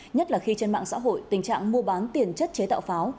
nhất là khi trên mạng xã hội tình trạng mua bán tiền chất chế tạo pháo